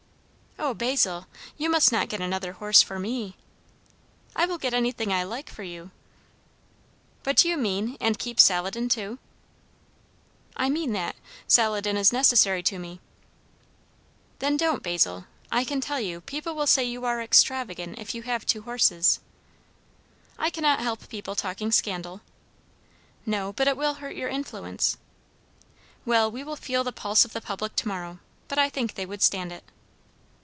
"O, Basil, you must not get another horse for me!" "I will get anything I like for you." "But do you mean, and keep Saladin too?" "I mean that. Saladin is necessary to me." "Then don't, Basil. I can tell you, people will say you are extravagant if you have two horses." "I cannot help people talking scandal." "No; but it will hurt your influence." "Well, we will feel the pulse of the public to morrow. But I think they would stand it."